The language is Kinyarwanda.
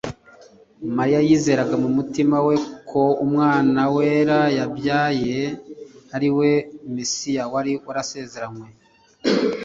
Mariya yizeraga mu mutima we ko umwana wera yabyaye ariwe Mesiya wari warasezeranywe,